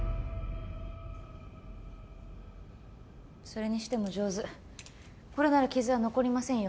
それにしても上手これなら傷は残りませんよ